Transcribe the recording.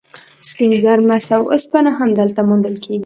سپین زر، مس او اوسپنه هم دلته موندل کیږي.